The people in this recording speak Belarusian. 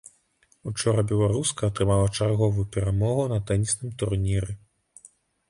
Учора беларуска атрымала чарговую перамогу на тэнісным турніры.